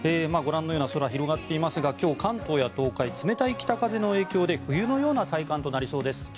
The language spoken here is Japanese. ご覧のような空が広がっていますが今日、関東や東海冷たい北風の影響で冬のような体感となりそうです。